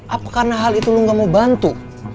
apa karena hal itu lu gak mau bantu